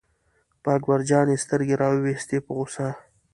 په اکبر جان یې سترګې را وویستې په غوسه.